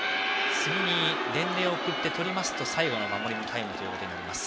次に伝令を送って、とりますと最後の守りのタイムとなります。